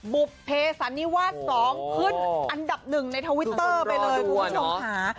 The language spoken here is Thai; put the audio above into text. บุภเพสันนิวาส๒ขึ้นอันดับหนึ่งในทวิตเตอร์ไปเลยคุณผู้ชมค่ะ